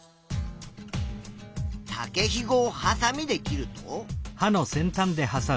竹ひごをはさみで切ると。